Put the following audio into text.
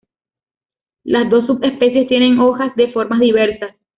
Las dos subespecies tienen hojas de formas diversas.